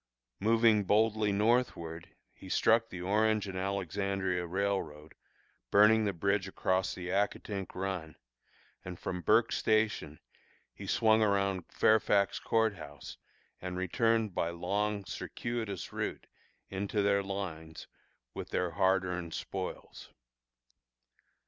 Moving boldly northward, he struck the Orange and Alexandria Railroad, burning the bridge across the Accotink Run, and from Burke's Station he swung around Fairfax Court House, and returned, by long, circuitous route, into their lines with their hard earned spoils.